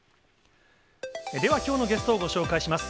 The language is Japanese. では、きょうのゲストをご紹介します。